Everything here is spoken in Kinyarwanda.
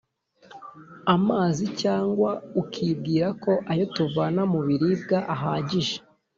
amazi cyangwa ukibwira ko ayo tuvana mu biribwa ahagije.